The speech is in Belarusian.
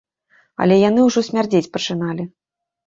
Але яны ўжо смярдзець пачыналі.